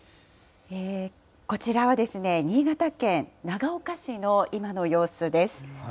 こちらはですね、新潟県長岡市の今の様子です。